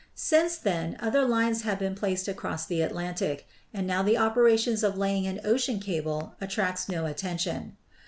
Since then other lines have been placed across the Atlantic; and now the opera tions of laying an ocean cable attracts no attention.